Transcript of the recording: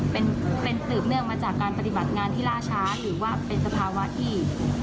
เป็นสืบเนื่องมาจากการปฏิบัติงานที่ล่าช้าหรือว่าเป็นสภาวะที่